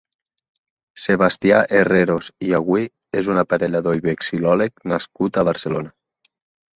Sebastià Herreros i Agüí és un aparellador i vexilol·leg nascut a Barcelona.